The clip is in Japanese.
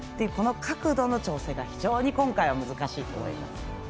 角度の調整が非常に今回は難しいと思います。